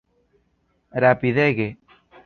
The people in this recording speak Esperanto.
Rapidege!